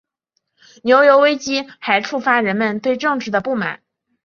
牛油危机还触发人们对政治的不满。